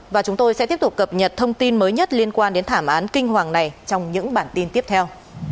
và chúng tôi sẽ tiếp tục cập nhật thông tin mới nhất liên quan đến thảm án kinh hoàng này trong những bản tin tiếp theo